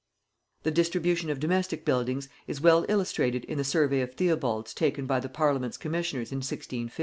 ] The distribution of domestic buildings is well illustrated in the Survey of Theobald's taken by the Parliament's Commissioners in 1650.